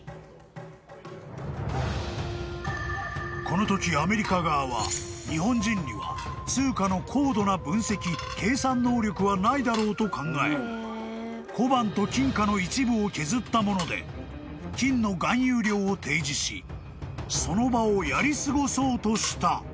［このときアメリカ側は日本人には通貨の高度な分析・計算能力はないだろうと考え小判と金貨の一部を削ったもので金の含有量を提示しその場をやり過ごそうとしたとされる］